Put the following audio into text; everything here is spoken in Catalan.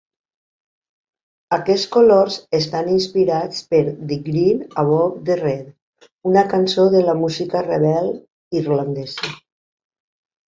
Aquests colors estan inspirats per "The Green Above The Red", una cançó de la música rebel irlandesa.